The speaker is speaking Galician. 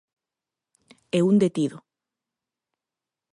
E un detido.